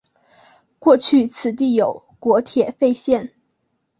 过去此地有国铁废线。